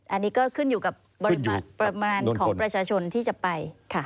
อันนี้ก็ขึ้นอยู่กับปริมาณของประชาชนที่จะไปค่ะ